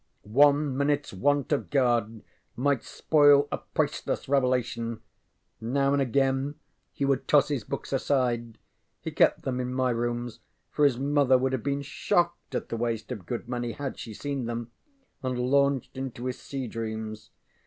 One minuteŌĆÖs want of guard might spoil a priceless revelation: now and again he would toss his books aside he kept them in my rooms, for his mother would have been shocked at the waste of good money had she seen them and launched into his sea dreams.